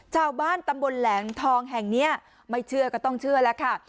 ชาวบ้านตำบลแหลงทองแห่งนี้ไม่เชื่อก็ต้องเชื่อแล้วค่ะ